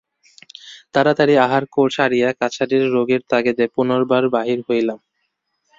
তাড়াতাড়ি আহার সারিয়া কাছারির রোগীর তাগিদে পুনর্বার বাহির হইলাম।